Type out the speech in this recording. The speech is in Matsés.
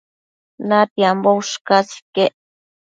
natiambo ushcas iquec